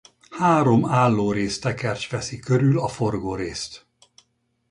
Három állórész tekercs veszi körül a forgórészt.